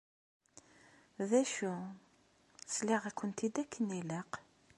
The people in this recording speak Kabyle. D acu? Sliɣ-akent-id akken ilaq?